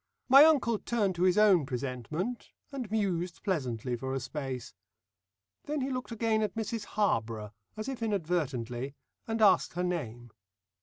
My uncle turned to his own presentment, and mused pleasantly for a space. Then he looked again at Mrs Harborough as if inadvertently, and asked her name.